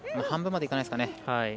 半分までいかないですかね。